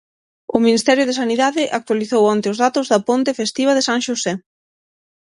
O Ministerio de Sanidade actualizou onte os datos da ponte festiva de San Xosé.